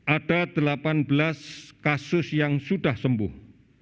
ada delapan belas kasus yang sudah sembuh